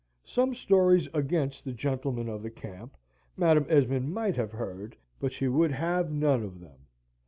Some stories against the gentlemen of the camp, Madam Esmond might have heard, but she would have none of them.